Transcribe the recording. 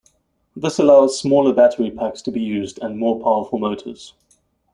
This allows smaller battery packs to be used, and more powerful motors.